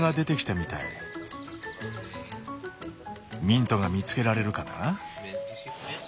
ミントが見つけられるかな？